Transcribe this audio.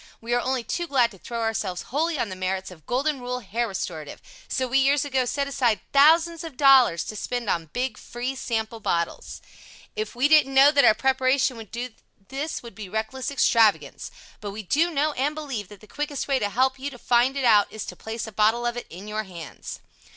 We are only too glad to throw ourselves wholly on the merits of Golden Rule Hair Restorative, so we years ago set aside thousands of dollars to spend on big free Sample bottles. If we didn't know what our preparation would do this would be reckless extravagance. But we do know and believe that the quickest way to help you to find it out is to place a bottle of it in your bands.